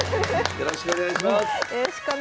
よろしくお願いします。